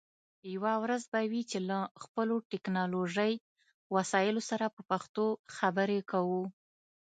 یوه ورځ به وي چې له خپلو ټکنالوژی وسایلو سره په پښتو خبرې کوو